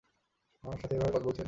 আমার সাথে এভাবে কথা বলছেন!